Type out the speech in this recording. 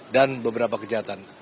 dan beberapa kejahatan